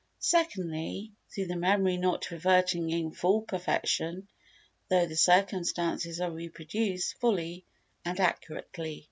Secondly, through the memory not reverting in full perfection, though the circumstances are reproduced fully and accurately.